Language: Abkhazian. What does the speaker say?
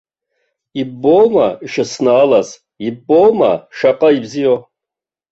Иббома ишыснаалаз, иббома шаҟа ибзиоу!